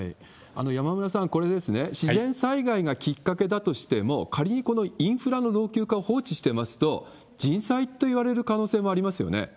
山村さん、これですね、自然災害がきっかけだとしても、仮にこのインフラの老朽化を放置してますと、人災といわれる可能性もありますよね。